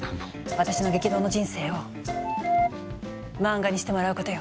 私の激動の人生を漫画にしてもらうことよ！